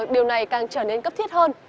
điều này càng trở nên cấp thiết hơn